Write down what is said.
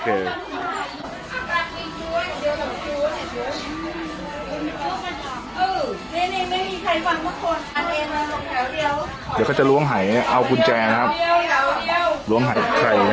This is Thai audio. เดี๋ยวเขาจะหลวงหายเอากุญแจนะครับหลวงหายใครน่ะ